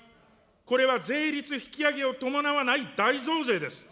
これは税率引き上げを伴わない大増税です。